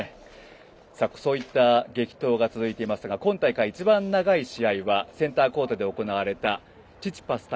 そういった激闘が続いていますが今大会、一番長い試合はセンターコートで行われたチチパス対